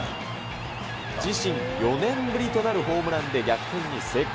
自身４年ぶりとなるホームランで逆転に成功。